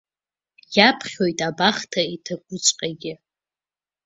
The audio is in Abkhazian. Иаԥхьоит абахҭа иҭакуҵәҟьагьы.